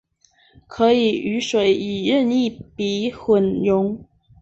可以与水以任意比混溶。